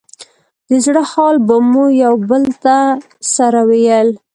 د زړه حال به مو يو بل ته سره ويل.